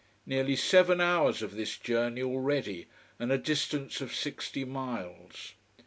Nearly seven hours of this journey already: and a distance of sixty miles.